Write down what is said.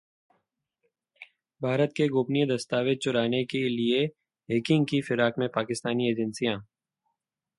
भारत के गोपनीय दस्तावेज चुराने के लिए हैकिंग की फिराक में पाकिस्तानी एजेंसिया